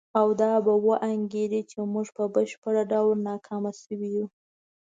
او دا به وانګیري چې موږ په بشپړ ډول ناکام شوي یو.